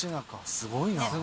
すごいな。